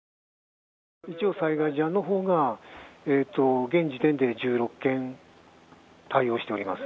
一応、災害事案のほうが現時点で１６件対応しております。